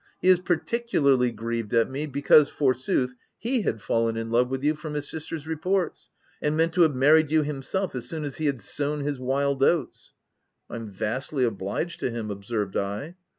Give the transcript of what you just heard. He is par ticularly grieved at me, because, forsooth, he had fallen in love with you from his sister's re ports, and meant to have married you himself, as soon as he had sown his wild oats." "I'm vastly obliged to him," observed I.